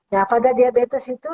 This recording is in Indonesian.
ya pada diabetes itu